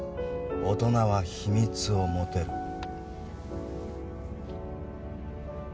大人は秘密を持てる。